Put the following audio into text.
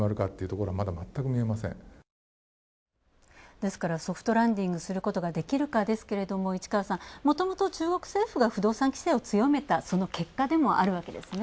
ですからソフトランディングできるかですけれども市川さん、もともと中国政府が不動産規制を強めたその結果でもあると。